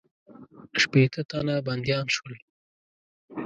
شپېته تنه بندیان شول.